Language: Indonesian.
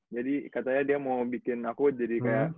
jadi katanya dia mau bikin aku jadi kayak